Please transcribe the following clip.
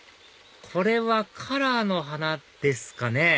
これはカラーの花ですかね